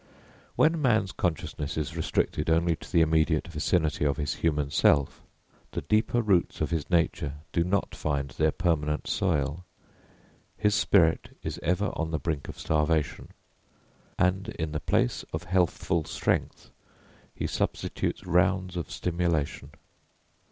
When man's consciousness is restricted only to the immediate vicinity of his human self, the deeper roots of his nature do not find their permanent soil, his spirit is ever on the brink of starvation, and in the place of healthful strength he substitutes rounds of stimulation.